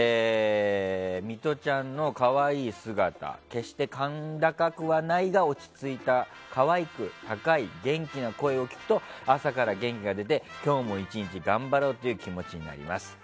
ミトちゃんの可愛い姿決して甲高くはないが落ち着いた可愛く高い元気な声を聞くと朝から元気が出て今日も一日頑張ろうという気持ちになります。